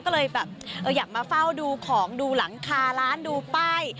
ก็เลยแบบอยากมาเฝ้าดูของดูหลังคาร้านดูป้าย